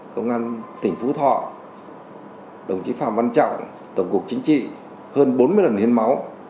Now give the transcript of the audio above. công an tỉnh phú thọ đồng chí phạm văn trọng tổng cục chính trị hơn bốn mươi lần hiến máu